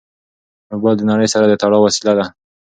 موبایل د نړۍ سره د تړاو وسیله ده.